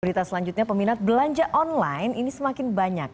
berita selanjutnya peminat belanja online ini semakin banyak